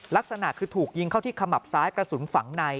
ลักษณะคือถูกยิงเข้าที่ขมับซ้ายกระสุนฝังใน